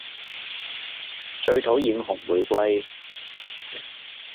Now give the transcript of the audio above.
最討厭紅玫瑰